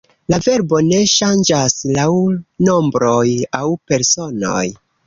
La verbo ne ŝanĝas laŭ nombroj aŭ personoj.